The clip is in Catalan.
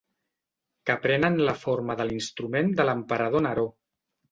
Que prenen la forma de l'instrument de l'emperador Neró.